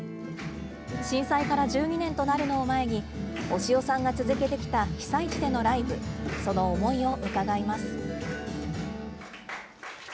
震災から１２年となるのを前に、押尾さんが続けてきた被災地でのライブ、その思いを伺います。